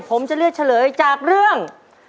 ผมจะเลือกเฉลยจากเรื่อง